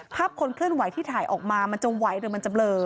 คนเคลื่อนไหวที่ถ่ายออกมามันจะไหวหรือมันจะเบลอ